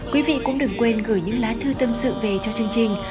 quý vị cũng đừng quên gửi những lá thư tâm sự về cho chương trình